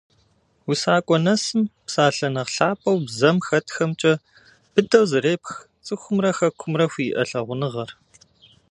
УсакӀуэ нэсым, псалъэ нэхъ лъапӀэу бзэм хэтхэмкӀэ, быдэу зэрепх цӀыхумрэ Хэкумрэ хуиӀэ лъагъуныгъэр.